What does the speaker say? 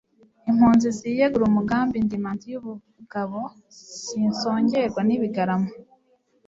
Impunzi ziyegura umugambi Ndi imanzi y' ubugabo sinsongerwa n'ibigarama.